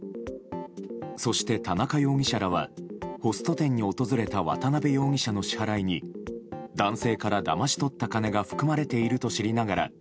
そして、田中容疑者らはホスト店に訪れた渡辺容疑者の支払いに男性からだまし取った金が含まれていると知りながら